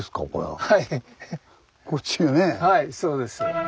はいそうです。